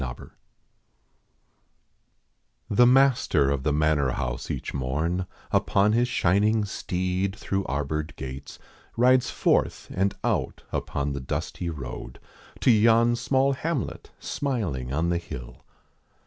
PARAPHRASE The master of the manor house each morn T pou his shining steed through arbored gates Rides forth and out upon the dusty road To yon small hamlet smiling on the hill.